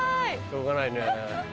しょうがないね。